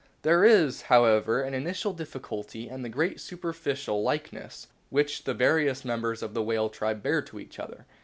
There is, however, an initial difficulty in the great superficial likeness which the various members of the whale tribe bear to each other.